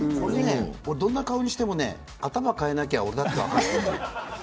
俺、どんな顔にしてもね頭を変えなきゃ俺だって分かる。